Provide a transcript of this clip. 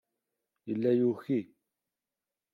Yella yuki.